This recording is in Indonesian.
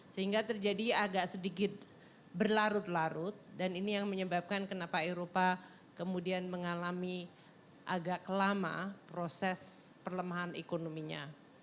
sehingga terjadi agak sedikit berlarut larut dan ini yang menyebabkan kenapa eropa kemudian mengalami agak lama proses perlemahan ekonominya